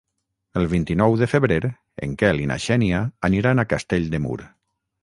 El vint-i-nou de febrer en Quel i na Xènia aniran a Castell de Mur.